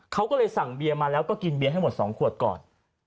เขาก็เลยสั่งเบียร์มาแล้วก็กินเบียร์ให้หมด๒ขวดก่อน